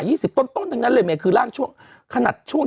มีสารตั้งต้นเนี่ยคือยาเคเนี่ยใช่ไหมคะ